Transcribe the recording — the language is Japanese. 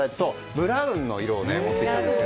ブラウンの色を持ってきたんです。